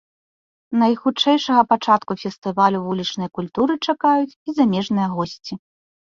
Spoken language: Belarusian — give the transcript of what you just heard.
Найхутчэйшага пачатку фестывалю вулічнай культуры чакаюць і замежныя госці.